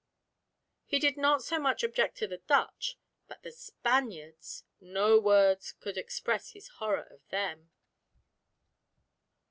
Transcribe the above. He did not so much object to the Dutch, but the Spaniards—no words could express his horror of them.